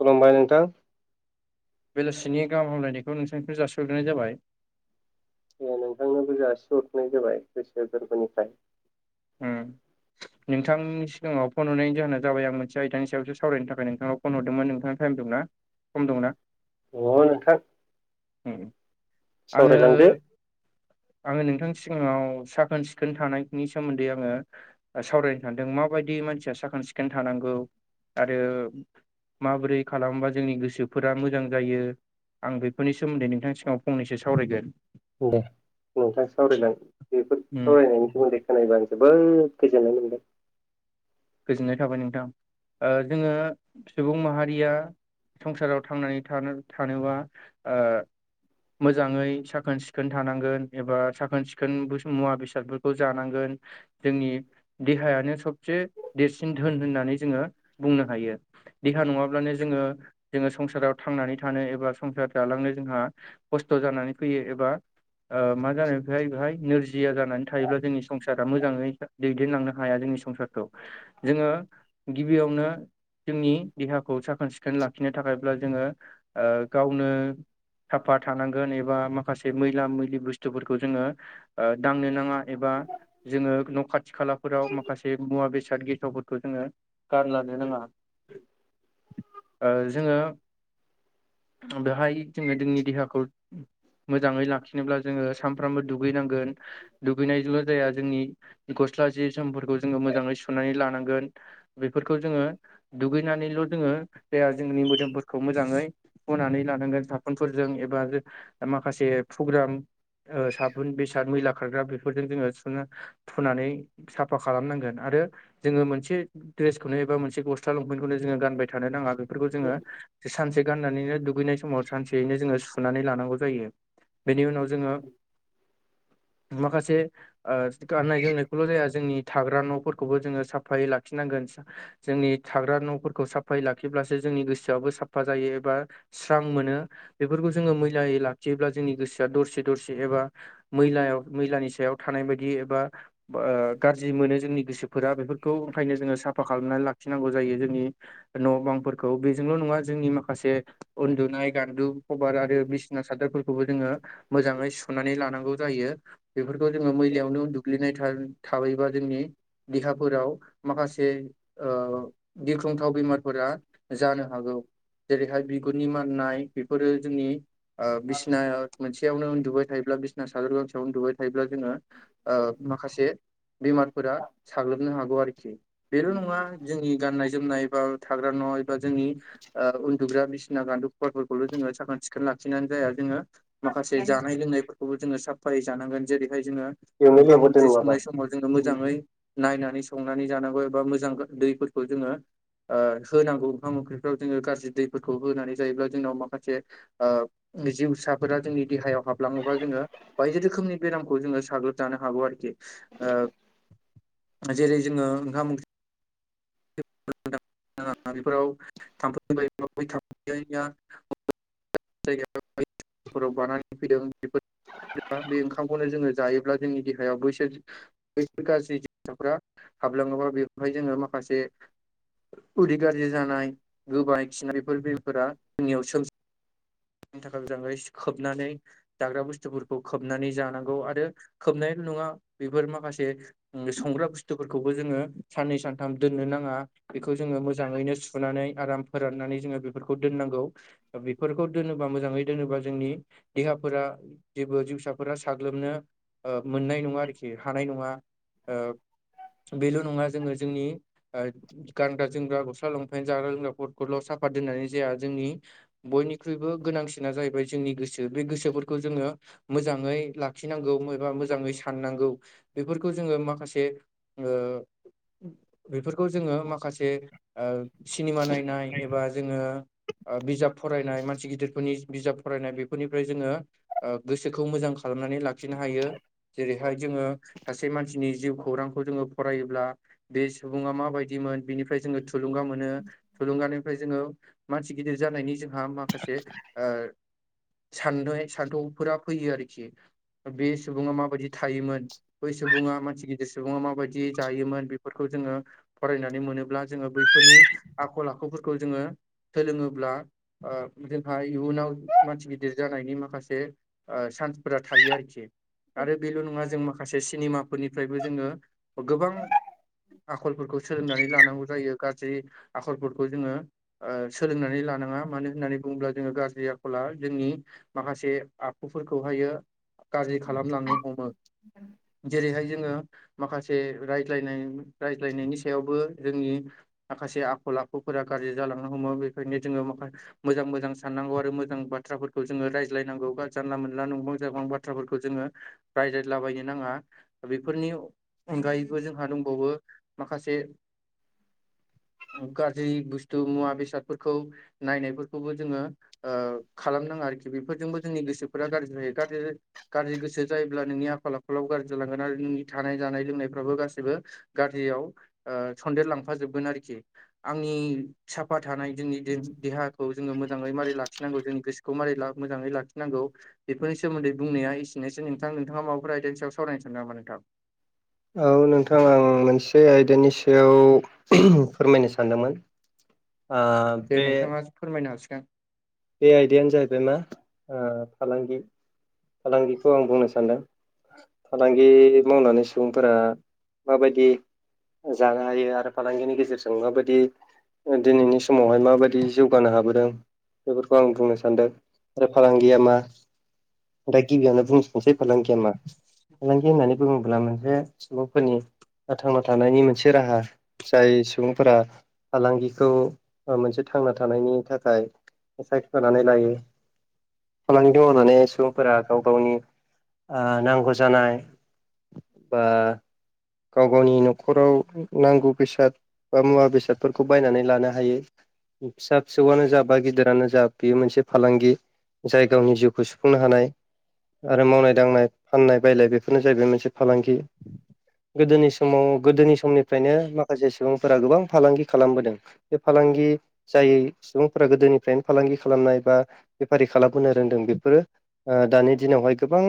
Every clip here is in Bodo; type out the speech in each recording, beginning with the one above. खुलुमबाय नोंथां। बेलासिनि गाहाम हामलायनायखौ नोंथांनिसिम जासिग्राय जाबाय। ओ नोंथांनोबो जासि हरनाय जाबाय गोसो गोरबोनिफ्राय। नोंथांनि सिगाङाव फन हरनायनि जाहोना जाबाय आं मोनसे आयदानि सायावसो सावरायनो थाखाय नोंथांनो फन हरदोंमोन नोंथां टाइम दंना सम दंना? अ नोंथां आंङो सावरायलांदो आंङो नोंथांनि सिगाङाव साखोन सिखोन थानायनि सोमोन्दै आंङो सावरायनो थानदों माबायदि मानसिया साखोन सिखोन थानांगौ आरो माबोरै खालामोबा जोंनि गोसोफोरा मोजां जायो आं बे बेफोरनि सोमोन्दै नोंथां सिगाङाव फनैसो सावरायगोन। दे नोंथाङा सावरायलां बेफोर उम सावरायनायनि सोमोन्दै खोनायोबा आं जोबोद गोजोननाय मोनगोन। गोजोननाय थाबाय नोंथां। जोंङो सुबुं माहारिया संसाराव थांनानै थानो थानोबा ओ मोजांङै साखोन सिखोन थानांगोन एबा साखोन सिखोन मुवा बेसादफोरखौ जानांगोन। जोंनि देहायानो सबसे देरसिन धोन होननानै जोंङो बुंनो हायो। देहा नङाब्लानो जोंङो जोंङो संसाराव थांनानै थानो एबा संसार जालांनो जोंहा खस्थ' जानानै फैयो एबा ओ मा जानाय बेहाय बेहाय नोरजिया जानानै थायोब्ला जोंनि संसारा मोजाङै दैदेनलांनो हाया जोंनि संसारखौ जोंङो गिबियावनो जोंनि देहाखौ साखोन सिखोन लाखिनो थाखायब्ला जोंङो ओ गावनो साफा थानांगोन एबा माखासे मैला मैलि बुस्थुफोरखौ जोंङो ओ दांनो नाङा एबा जोंङो न' खाथि खालाफोराव माखासे मुवा बेसाद बेसाद गेसावफोरखौ जोंङो गारलानो नाङा। ओ जोंङो ओ बेहाय जोंङो जोंनि देहाखौ मोजाङै लाखिनोब्ला जोंङो सानफ्रामबो दुगैनांगोन। दुगैनायजों' जाया जोंनि गस्ला जि जोमफोरखौ जोंङो मोजाङै सुनानै लानांगोन। बेफोरखौ जोंङो दुगैनानैल' जोंङो देहा जोंनि मोदोमफोरखौ मोजाङै हुनानै लानांगोन साफुनफोरजों एबा माखासे पुग्राम ओ साबुन बेसाद मैला खारग्रा बेफोरजों जोंङो सुना फुनानै साफा खालामनांगोन आरो जोंङो मोनसे द्रेसखौनो एबा मोनसे ग गस्ला लंफेन्खौनो जोंङो गानबाय थानो नाङा बेफोरखौ जोंङो सानसे गाननानैनो दुगैनाय समाव सानसेयैनो जोङो सुनानै लानांगौ जायो। बेनि उनाव जोङो माखासे ओ गाननाय जोमनायखौल' जाया जोंनि थाग्रा न'फोर खौबो जोङो साफायै लाखिनांगोन। जोंनि थाग्रा न'फोरखौ साफायै लाखिब्लासो जोंनि गोसोआबो साफा जायो एबा स्रां मोनो बेफोरखौ जोङो मैलायै लाखियोब्ला जोंनि गोसोआ दरसे दरसे एबा मैलायाव मैलानि सायाव थानाय बायदि एबा ओ गाज्रि मोनो जोंनि गोसो। फोरा बेफोरखौ ओंखायनो जोङो साफा खालामनानै लाखिनांगौ जायो जोंनि न' बांफोरखौ बेजोंल' नङा जोंनि माखासे उन्दुनाय गान्दु खभार आरो बिसिना सादोरफोरखौबो जोङो मोजाङै सुनानै लानांगौ जायो। बेफोरखौ जोङो मैलायावनो दुग्लिनाय थाबायबा जोंनि देहाफोराव माखासे ओ गिख्रंथाव बेमारफोरा जानो हागौ। जेरैहाय बिगुरनि माननाय बेफोरो जोंनि ओ बिसिना मोनसेयावनो उन्दुबाय थायोब्ला बि बिसना सादोर गांसेयावनो उनदुबाय थायोब्ला जोङो माखासे बेमारफोरा साग्लोबनो हागौ आरोखि बेल' नङा जोंनि गाननाय जोमनाय बबा थाग्रा न' एबा जोंनि ओ उन्दुग्रा बिसिना गान्दु खुवाफोरखौल' जोङो साखोन सिखोन लाखिनानै जाया जोङो। माखासे जानाय लोंनायफोरखौबो जोङो साफायै जानांगोन जेरैहाय जोङो बेयावनो ओंखाम लेंहरदो ओंख्रि नङाबा संनाय समाव जोङो मोजाङै नायनानै संनानै जानांगौ एबा मोजां दैफोरखौ जोङो ओ होनांगौ ओंखाम ओंख्रिफ्राव जोङो गाज्रि दैफोरखौ होनानै जायोब्ला जोंनाव माखासे ओ जिउसाफोरा जोंनि देहायाव हाबलाङोबा जोङो बायदि रोखोमनि बेरामखौ जोङो साग्लोबजानो हागौ आरोखि। ओ जेरै जोङो ओंखाम ओंख्रि बेफोराव थामफै बै थामफै जायो। फोराव बानानै फैदों बेफोर बे ओंखामखौनो जोङो जायोब्ला जोंनि देहायाव बैसोर बैफोर गाज्रि जसाफ्रा हाबलाङोबा बेवहाय जोङो माखासे उदै गाज्रि जानाय गोबाय खिनायफोर बिलफोरा जोंनियाव सोमजियो नि थाखाय मोजाङै खोबनानै जाग्रा बुस्थुफोरखौ खोबनानै जानांगौ आरो खोबनायल' नङा बेफोर माखासे संग्रा बुस्थुफोरखौबो जोङो साननै सानथाम दोननो नाङा बेखौ जोङो मोजाङैनो सुनानै आराम फोराननानै जोङो बेफोरखौ दोननांगौ बेफोरखौ दोनोबा मोजाङै दोनोबा जोंनि देहाफोरा जेबो जिउसाफोरा साग्लोबनो मोननाय नङा आरोखि हानाय नङा ओ बेल' नङा जोङो जोंनि गानग्रा जोमग्रा गस्ला लंफेन जाग्रा लोंग्राफोरखौल' साफा दोन्नानै जाया जोंनि बयनि निख्रुइबो गोनांसिना जाहैबाय जोंनि गोसो बे गोसोफोरखौ जोङो मोजाङै लाखिनांगौ एबा मोजाङै साननांगौ बेफोरखौ जोङो माखासे ओ बेफोर जोङो माखासे सिनेमा नायनाय एबा जोङो ओ बिजाब फरायनाय मान मानसि गिदिरफोरनि बिजाब फरायनाय बेफोरनिफ्राय जोङो गोसोखौ मोजां खालामनानै लाखिनो हायो जेरैहाय जोङो सासे मानसिनि जिउ खौरांखौ जोङो फरायोब्ला बे सुबुङा माबायदिमोन बेनिफ्राय जोङो थुलुंगा मोनो थुलुंगानिफ्राय जोङो मानसि गिदिर जानायनि जोंहा माखासे ओ साननाय सान्थौफोरा फैयो आरोखि बे सुबुङा माबायदि थायोमोन बै सुबुङा मानसि गिदिर सुबुङा माबायदि जायोमोन बेफोरखौ जोङो फरायनानै मोनोब्ला जोङो बै फोरनि आखल आखुफोरखौ जोङो सोलोङोब्ला ओ जोंहा इयुनाव मानसि गिदिर जानायनि माखासे सान्सफोरा थायो आरोखि। आरो बेल' नङा जों माखासे सिनेमाफोरनिफ्रायबो जोङो गोबां आखलफोरखौ सोलोंनानै लानांगौ जायो गाज्रि आखलफोरखौ जोङो ओ सोलोंनानै लानाङा मानो होन्नानै बुङोब्ला जोङो गाज्रि आख'ला जोंनि माखासे आखुफोरखौहायो गाज्रि खालामलांनो हमो जेरैहाय जोङो माखासे रायज्लायनाय रायज्लायनायनि सायावबो जोंनि माखासे आखल आखुफोरा गाज्रि जालांनो हमो बेखायनो जोङो माखा मोजां मोजां साननांगौ आरो मोजां बाथ्राफोरखौ जोङो रायज्लायनांगौ बा जानला मोनला नंबां जाबां बाथ्राफोरखौ जोङो। रायज्लायलाबायनो नाङा‌। दा बेफोरनि अनगायैबो जोंहा दंबावो माखासे गाज्रि बुस्थु मुवा बेसादफोरखौ नायनाय खौबो जोङो ओ खालामनााङा आरोखि बेफोरजोंबो जोंनि गोसोफोरा गाज्रि जायो गाज्रि गाज्रि गोसो जायोब्ला नोंनि आखल आखालावबो गाज्रि जालांगोन आरो नोंनि थानाय जानाय लोंनायफ्राबो गासैबो गाज्रियाव ओ सन्देर लांफाजोबगोन आरोखि। आंनि साफा थानाय जोंनि दे- देहा खौ जोङो मोजाङै मारोरै लाखिनांगौ जोंनि गोसोखौ मारै मोजाङै लाखिनांगौ बेफोरनि सोमोन्दै बुंनाया एसेनोसै नोंथां नोंथाङा माबाफोर आयदानि सायाव सावरायनो सानदों नामा नोंथां? औ नोंथां आं मोनसे आयदानि सायाव फोरमायनो सानदोंमोन। ओ दे बे नोंथाङा फोरमायनो हासिगोन। बे आयदायानो जाहैबाय मा फालांगि फालांगिखौ आं बुंनो सानदों। फालांगि मावनानै सुबुंफोरा माबायदि। जानो हायो आरो फालांगिनि गेजेरजों माबायदि दिनैनि समावहाय माबायदि जौगानो हाबोदों। बेफोरखौ आं बुंनो सान्दों आरो फालांगिया मा दा गिबियावनो बुं मोनसे फालांगिया मा फालांगि होननानै बुङोब्ला मोनसे सुबुंफोरनि थांना थानायनि मोनसे राहा जाय सुबुंफोरा फालांगिखौ मोनसे थांना थानायनि थाखाय साइखफोर लानाय लाायो। फालांगि दङ होनाने सुबुंफोरा गाव गावनि ओ नांगौ जानाय बा गाव गावनि न'खराव नांगौ बेसाद बा मुवा बेसादफोरखौ बायनानै लानो हायो फिसा फिसौआनो जाबा गिदिर फ्रानो जा बेयो मोनसे फालांगि जाय गावनि जिउखौ सुफुंनो हानाय। आरो मावनाय दांनाय फाननाय बायलनाय बेफोरनो जाहैबाय मोनसे फालांगि। गोदोनि समाव गोदोनि समनिफ्रायनो माखासे सुबुंफोरा गोबां फालांगि खालामबोदों। बे फालांगि जायै सुबुंफोरा गोदोनि फ्रेन् फालांगि खालामनाय बा बेफारि खालामबोनो रोंदों बेफोरो दानि दिनावहाय गोबां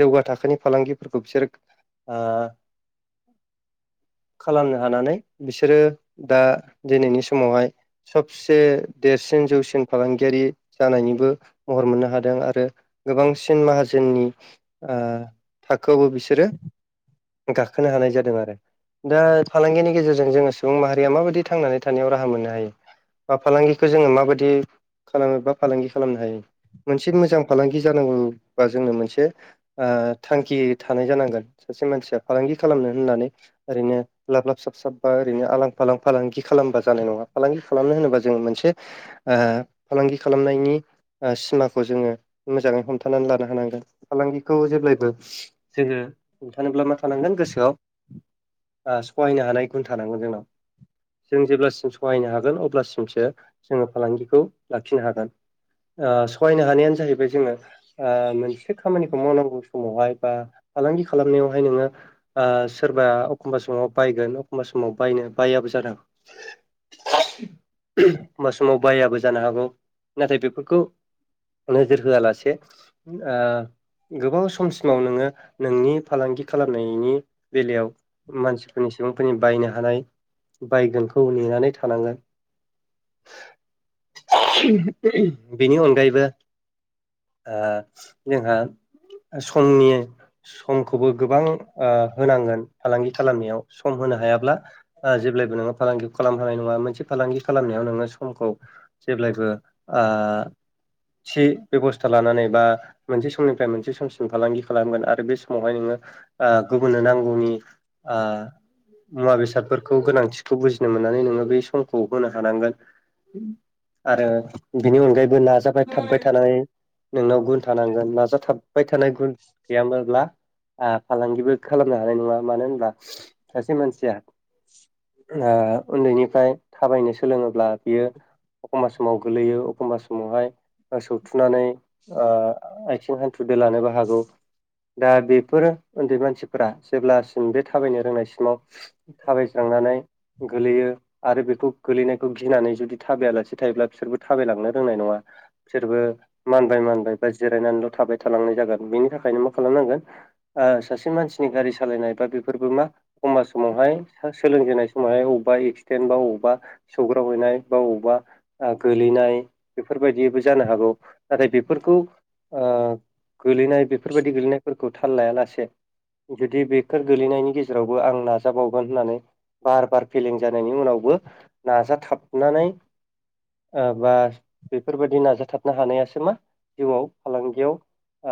जौगा थाखोनि फालांगिफोरखौ बिसोर ओ खालामनो हानानै बिसोरो दा दिनैनि समावहाय ससे देरसिन जौसिन फालांगियारि जानायनिबो महर मोननो हादों आरो गोबांसिन माहाजोननि थाखोआवबो बिसोरो गाखोनो हानाय जादों आरो दा फालांगिनि गेजेरजों जोङो सुबुं माहारिया माबायदि थांनानै थानायाव राहा मोननो हायो? बा फालांगिखौ जोङो माबायदि खालामो बा फालांगि खालामनो हायो? मोनसे मोजां फालांगि जानांगौबा जोंनो मोनसे थांखि थानाय जानांगोन सासे मानसिया फालांगि खालामनो होननानै ओरैनो लाब लाब साब साबबा ओरैनो आलां फालां फालांगि खालामबा जानाय नङा फालांगि खालामनो होनोबा जोङो मोनसे फालांगि खालामनायनि ओ सिमाखौ जोङो मोजाङै हमथानानै लानो हानांगोन। फालांगिखौ जेब्लायबो जोङो हमथानोब्ला मा थानांगोन गोसोआव सहायनो हानाय गुन थानांगोन जोंनाव। जों जेब्लासिम सहायनो हागोन अब्लासिमसो जोङो फालांगिखौ लाखिनो हागोन। ओ सहायनो हानायानो जाहैबाय जोङो ओ मोनसे खामानिखौ मावनांगौ समावहाय बा फालांगि खालामनायावहाय नोङो ओ सोरबा अखमबा समाव बायगोन अखमबा समाव बायनो बायाबो जादों। होनबा समाव बायाबो जानो हागौ। नाथाय बेफोरखौ नोजोर होआलासे ओ गोबाव समसिमाव नोङो नोंनि फालांगि खालामनायनि बेलायाव मानसिफोरनि सुबुंफोरनि बायनो हानाय, बायगोनखौ नेनानै थानांगोन। बेनि अनगायैबो ओ जोंहा समनि समखौबो गोबां ओ होनांगोन फालांगि खालामनायाव सम होनो हायाब्ला जेब्लायबो नोङो फालांगि खालामनो हानाय नङा मोनसे फालांगि खालामनायाव नोङो समखौ जेब्लायबो ओ थि बेब'स्था लानानै बा मोनसे समनिफ्राय मोनसे समसिम फालांगि खालामगोन आरो बे समावहाय नोङो ओ गुबुननो नांगौनि ओ मुवा बेसादफोरखौ गोनांथिखौ बुजिनो मोननानै नोङो बै सम खौ होनो हानांगोन आरो बिनि अनगायैबो नाजाबाय थाबबाय थानानै नोंनाव गुन थानांगोन नाजाथाबबाय थानाय गुन गैयामोनब्ला ओ फालांगिबो खालामनो हानाय नङा मानो होनब्ला ओ सासे मानसिया ओ उन्दैनिफ्राय थाबायनो सोलोङोब्ला बियो अखमबा समाव गोलैयो अखमबा समावहाय सौथुनानै ओ आइथिं हान्थु दोलानोबो हागौ। दा बेफोर उन्दै मानसिफोरा जेब्लासिम बे थाबायनो रोंनायसिमाव थाबायस्रांनानै गोलैयो आरो बे खौ गोलैनायखौ गिनानै जुदि थाबायालासे थायोब्ला बिसोरबो थाबायलांनो रोंनाय नङा बिसोरबो मानबाय मानबाय बा जिरायनानैल' थाबाय थालांनाय जागोन बेनि थाखायनो मा खालामनांगोन सासे मानसिनि गारि सालायनाय बा बेफोरबो मा अखमबा समावहाय सास सोलोंजेननाय समावहाय अब्बा एक्सिडेन बा अब्बा सौग्राव हैनाय बा अब्बा ओ गोलैनाय बेफोरबायदिबो जानो हागौ। नाथाय बेफोरखौ ओ गोलैनाय बेफोरबायदि गोलैनायफोरखौ थाल लाया लासे जुदि बेखोर गोलैनायनि गेजेरावबो आं नाजाबावगोन होननानै बार बार फेलें जानायनि उनावबो नाजाथाबनानै ओ बा बेफोरबायदि नाजाथाबनो हानायासो मा जिउआव फालांगियाव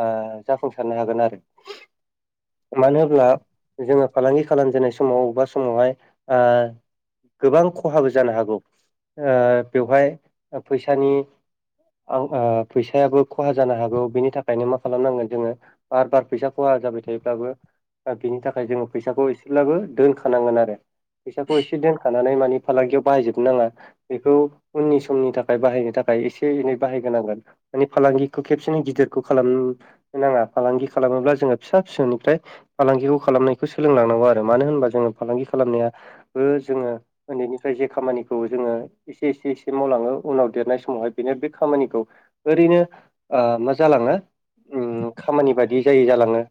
ओ जाफुंसारनो हागोन आरो। मानो होब्ला जोङो फालांगि खालामजेननाय समाव अब्बा समावहाय गोबां खहाबो जानो हागौ। बेवहाय फैसानि आं ओ फैसायाबो खहा जानो हागौ बिनि थाखायनो मा खालामनांगोन जोङो बार बार फैसा खहा जाबाय थायोब्लाबो बिनि थाखाय जोङो फैसाखौ एसेब्लाबो दोनखानांगोन आरो। फैसाखौ एसे दोनखानानै मानि फालांगियाव बाहायजोबनो नाङा बेखौ उननि समनि थाखाय बाहायनो थाखाय एसे एनै बाहायग्रोनांगोन। माने फालांगिखौ खेबसेनो गिदिरखौ खालाम नाङा फालांगि खालामोब्ला जोङो फिसा फिसौनिफ्राय फालांगिखौ खालामनायखौ सोलोंलांनांगौ आरो। मानो होनबा जोङो फालांगि खालामनायाबो जोङो उन्दैनिफ्राय जे खामानिखौ जोङो एसे एसे एसे मावलाङो उनाव देरनाय समावहाय बेनो बे खामानिखौ ओरैनो मा जालाङो खामानि बादि जायै जालाङो।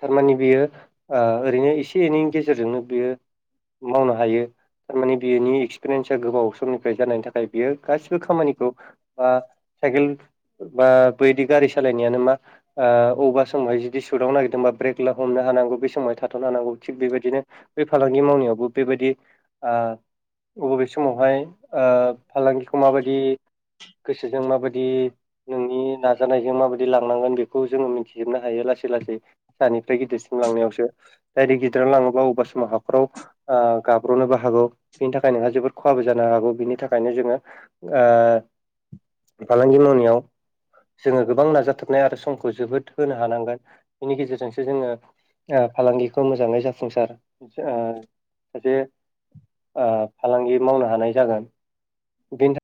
थारमानि बियो ओरैनो एसे एनैनि गेजेरजोंनो बियो मावनो हायो थारमाने बेनि एक्सपिरियेन्सआ गोबाव समनिफ्राय जानायनि थाख थाय बियो गासिबो खामानिखौ आ साइकेल बा बैदि गारि सालायनायानो मा ओ अबावबा समावहाय जुदि सुदावनो नागिरदोंबा ब्रेक हमनो हानांगौ बे समावहाय थाथ'नो हानांगौ थिग बेबायदिनो बे फालांगि मावनायावबो बेबायदि ओ अबे समावहाय ओ फालांगिखौ माबायदि गोसोजों माबादि नोंनि नाजानायजों माबायदि लांनांगोन बेखौ जोङो मिथिजोबनो हायो लासै लासै फिसानिफ्राय गिदिरसिम लांनायावसो डाइरेक गिदिराव लाङोबा अबा समाव हाफ्राव ओ गाब्र'नोबा हागौ बिनि थाखाय नोंहा जोबोद खहाबो जानो हागौ बिनि थाखायनो जोङो ओ फालांगि मावनायाव जोङो गोबां नाजाथाबनाय आरो समखौ जोबोद होनो हानांगोन बेनि गेजेरजोंसो जोङो ओ फालांगिखौ मोजाङै जाफुंसार ओ सासे ओ फालांगि मावनो हानाय जागोन बेनि थाख